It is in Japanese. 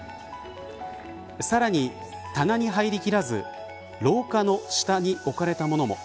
さらに棚に入りきらず廊下の下に置かれたものも。